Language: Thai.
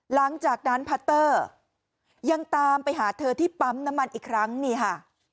หลังจากนั้นพัตเตอร์ยังตามไปหาเธอที่ปั๊มน้ำมันอีกครั้งนี่ค่ะ